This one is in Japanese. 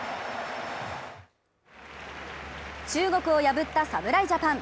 中国を破った侍ジャパン。